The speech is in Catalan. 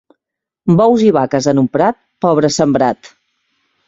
Bous i vaques en un prat, pobre sembrat!